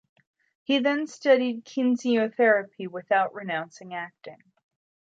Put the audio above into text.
He then studied kinesiotherapy without renouncing acting.